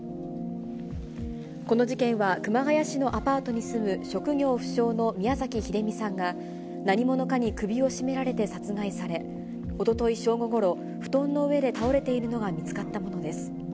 この事件は熊谷市のアパートに住む、職業不詳の宮崎英美さんが何者かに首を絞められて殺害され、おととい正午ごろ、布団の上で倒れているのが見つかったものです。